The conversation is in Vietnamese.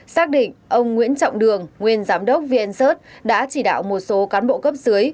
xác định ông nguyễn trọng đường nguyên giám đốc vncert đã chỉ đạo một số cán bộ cấp dưới